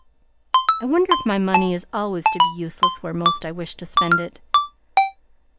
I wonder if my money is always to be useless where most I wish to spend it!"